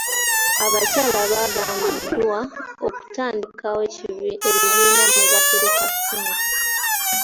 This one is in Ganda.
Abakyala baagambiddwa okutandikawo ebibiina mwe batereka ssente.